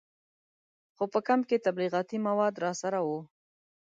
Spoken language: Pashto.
خو په کمپ کې تبلیغاتي مواد راسره وو.